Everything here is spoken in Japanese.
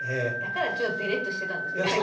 だからちょっとデレッとしてたんですね。